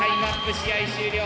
試合終了。